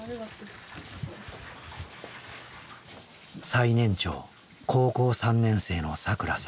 最年長高校３年生のさくらさん。